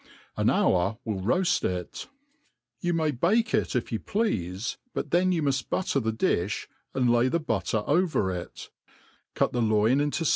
An hour w^li i'Offft ii^^ You may bake it, if you pleafe, but then you muft.bujtter the difh^ and lay the butter over it t cut the loin into